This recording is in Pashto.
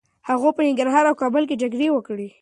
هغه په ننګرهار او کابل کي جګړې وکړې.